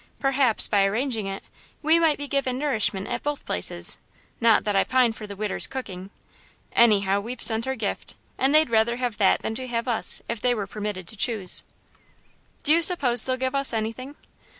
Perhaps, by arranging it, we might be given nourishment at both places not that I pine for the 'Widder's' cooking. Anyhow, we've sent our gift, and they'd rather have that than to have us, if they were permitted to choose." "Do you suppose they'll give us anything?"